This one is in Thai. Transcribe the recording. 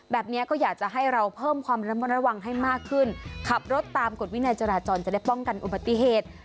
แบบนี้ก็อยากจะให้เราเพิ่มความระมัดระวังให้มากขึ้นขับรถตามกฎวินัยจราจรจะได้ป้องกันอุบัติเหตุ